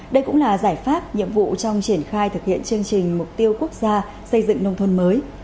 đây cũng là giải pháp nhiệm vụ trong triển khai thực hiện chương trình mục tiêu quốc gia xây dựng nông thôn mới